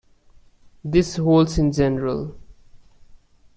This holds in general.